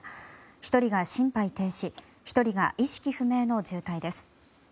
１人が心肺停止１人が意識不明の重体です。